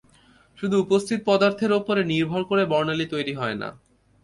শুধু উপস্থিত পদার্থের ওপরে নির্ভর করে বর্ণালি তৈরি হয় না।